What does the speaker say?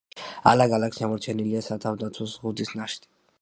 ალაგ-ალაგ შემორჩენილია სათავდაცვო ზღუდის ნაშთი.